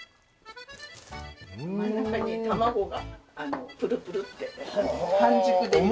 真ん中に卵がプルプルッて半熟でいます。